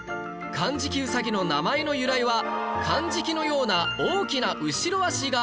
カンジキウサギの名前の由来はカンジキのような大きな後ろ脚があるから